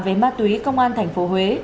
về ma túy công an thành phố huế